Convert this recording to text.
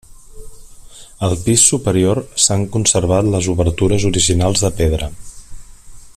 Al pis superior s'han conservat les obertures originals de pedra.